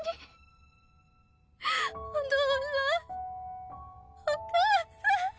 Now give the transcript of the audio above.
うぅお父さんお母さん。